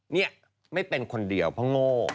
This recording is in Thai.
นี่ไม่เป็นคนเดียวเพราะโง่